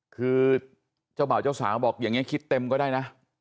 คือเจ้าบ่าวเจ้าสาวบอกอย่างนี้คิดเต็มก็ได้นะ